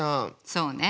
そうね。